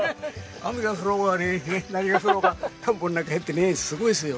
雨が降ろうが何が降ろうが田んぼの中に入ってねすごいですよ。